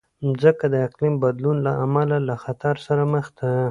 مځکه د اقلیم بدلون له امله له خطر سره مخ ده.